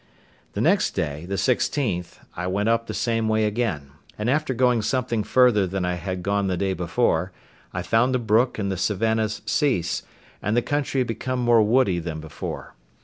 The next day, the sixteenth, I went up the same way again; and after going something further than I had gone the day before, I found the brook and the savannahs cease, and the country become more woody than before.